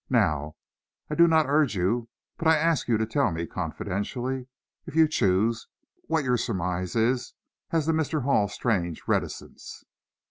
Now, I do not urge you, but I ask you to tell me, confidentially if you choose, what your surmise is as to Mr. Hall's strange reticence."